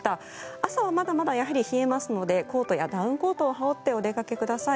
朝はまだまだやはり冷えますのでコートやダウンコートを羽織ってお出かけください。